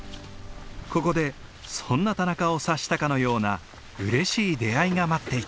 ここでそんな田中を察したかのようなうれしい出会いが待っていた。